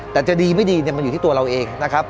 แต่จะดีไม่ดีมันอยู่ที่ตัวเราเองนะครับ